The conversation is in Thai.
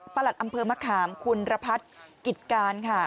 หลัดอำเภอมะขามคุณระพัฒน์กิจการค่ะ